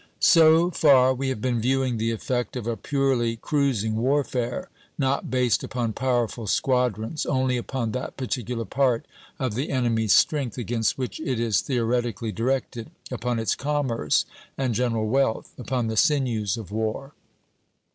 So far we have been viewing the effect of a purely cruising warfare, not based upon powerful squadrons, only upon that particular part of the enemy's strength against which it is theoretically directed, upon his commerce and general wealth; upon the sinews of war.